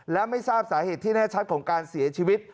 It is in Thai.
และไม่ทราบสาเหตุที่แน่ชัดของการเสียชีวิต